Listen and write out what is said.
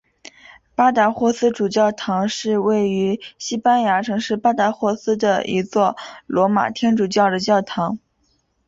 巴达霍斯主教座堂是位于西班牙城市巴达霍斯的一座罗马天主教的教堂。